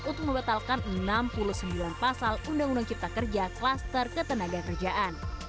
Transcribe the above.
untuk membatalkan enam puluh sembilan pasal undang undang cinta kerja kluster ketenagaan kerjaan